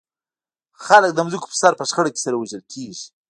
خلک د ځمکو پر سر په شخړه کې سره وژل کېږي.